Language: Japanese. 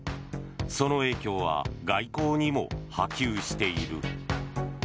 その影響は外交にも波及している。